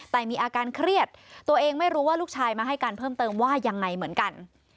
แต่มีอาการเครียดตัวเองไม่รู้ว่าลูกชายมาให้การเพิ่มเติมว่ายังไงเหมือนกัน